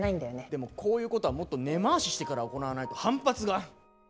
でもこういうことはもっと根回ししてから行わないと反発が。